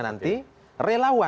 dan segera bekerja begitu